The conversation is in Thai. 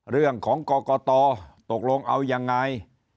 เรื่องของกรกตตกลงเอายังไง